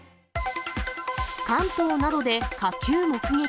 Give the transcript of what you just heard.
関東などで火球目撃。